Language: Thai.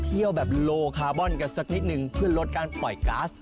แบบโลคาร์บอนกันสักนิดนึงเพื่อลดการปล่อยก๊าซ